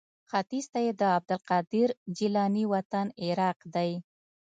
ختیځ ته یې د عبدالقادر جیلاني وطن عراق دی.